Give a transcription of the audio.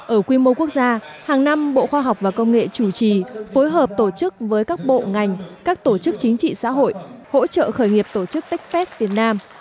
ở quy mô quốc gia hàng năm bộ khoa học và công nghệ chủ trì phối hợp tổ chức với các bộ ngành các tổ chức chính trị xã hội hỗ trợ khởi nghiệp tổ chức techfest việt nam